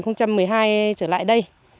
năm hai nghìn một mươi hai trở lại đây